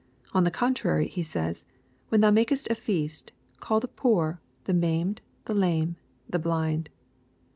On the contrary, He says, " When thou makest a feast, call the poor, the maimed, the lame, the blind."